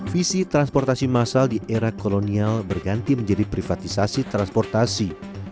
visi transportasi massal di era kolonial berganti menjadi privatisasi transportasi